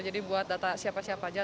jadi buat data siapa siapa aja